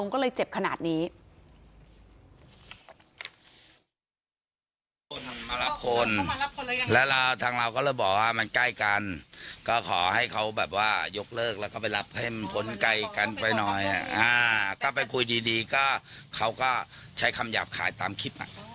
ก็ไปรับให้มันผลไกลกันไปหน่อยอ่ะอ่าก็ไปคุยดีดีก็เขาก็ใช้คำหยาบขายตามคลิปอ่ะ